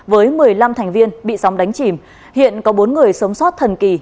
với một mươi năm thành viên bị sóng đánh chìm hiện có bốn người sống sót thần kỳ